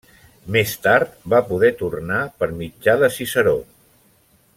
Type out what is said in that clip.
Més tard va poder tornar per mitjà de Ciceró.